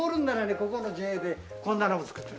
ここのＪＡでこんなのも作ってる。